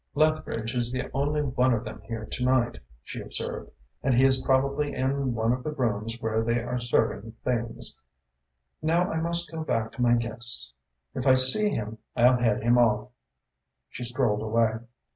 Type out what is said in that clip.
"Lethbridge is the only one of them here to night," She observed, "and he is probably in one of the rooms where they are serving things. Now I must go back to my guests. If I see him, I'll head him off." She strolled away.